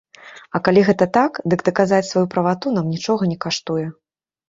А калі гэта так, дык даказаць сваю правату нам нічога не каштуе.